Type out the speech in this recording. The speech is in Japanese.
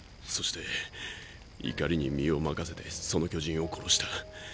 ⁉そして怒りに身を任せてその巨人を殺した。